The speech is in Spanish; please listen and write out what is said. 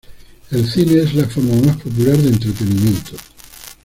El cine es la forma más popular de entretenimiento.